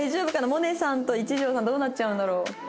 モネさんと一条さんどうなっちゃうんだろう？